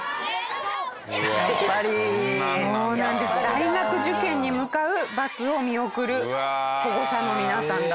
大学受験に向かうバスを見送る保護者の皆さんだったという事です。